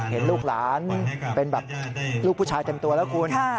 เห็นลูกหลานเป็นแบบลูกผู้ชายเต็มตัวแล้วคุณ